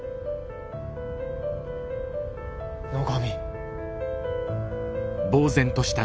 野上。